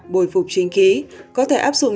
bồi phục chính khí có thể áp dụng